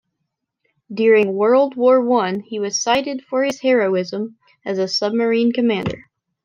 During World War One, he was cited for his heroism as a submarine commander.